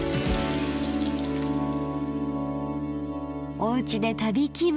おうちで旅気分。